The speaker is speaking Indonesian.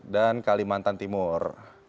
dan kalimantan timur